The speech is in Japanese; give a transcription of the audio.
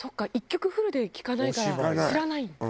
１曲フルで聴かないから知らないんだ。